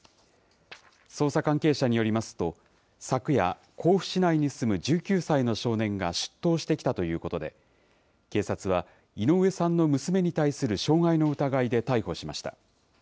捜査関係者によりますと、昨夜、甲府市内に住む１９歳の少年が出頭してきたということで、警察は、井上さんの娘に対する傷害の疑いで逮捕しました。